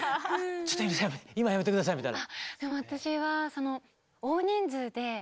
「ちょっと井上さん今やめて下さい」みたいな。